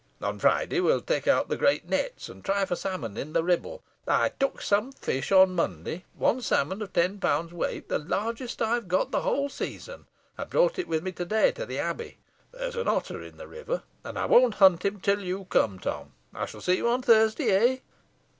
On Friday, we'll take out the great nets, and try for salmon in the Ribble. I took some fine fish on Monday one salmon of ten pounds' weight, the largest I've got the whole season. I brought it with me to day to the Abbey. There's an otter in the river, and I won't hunt him till you come, Tom. I shall see you on Thursday, eh?"